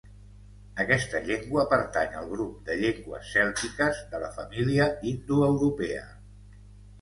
Aquesta llengua pertany al grup de llengües cèltiques de la família indoeuropea.